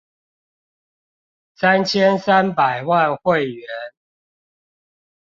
三千三百萬會員